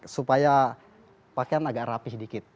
supaya pakaian agak rapih dikit